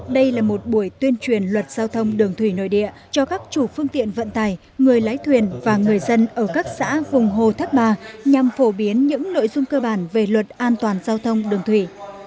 đây là một buổi tuyên truyền luật giao thông đường thủy nội địa cho các chủ phương tiện vận tải người lái thuyền và người dân ở các xã vùng hồ thác bà nhằm phổ biến những nội dung cơ bản về luật an toàn giao thông đường thủy